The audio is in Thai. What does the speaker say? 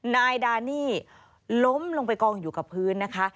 นายดานี่ล้มลงไปกองอยู่กับพื้นนะคะ